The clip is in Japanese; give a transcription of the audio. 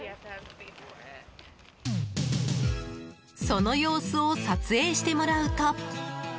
その様子を撮影してもらうと。